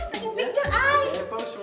kamu lihat kamu lihat